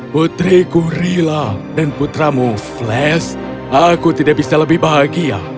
putriku rila dan putramu flash aku tidak bisa lebih bahagia